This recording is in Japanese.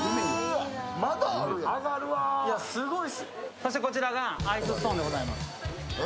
そしてこちらがアイスストーンでございます。